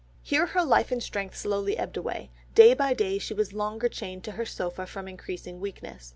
Here her life and strength slowly ebbed away; day by day she was longer chained to her sofa from increasing weakness.